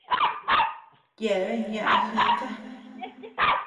Yeabean ñaʼä jika.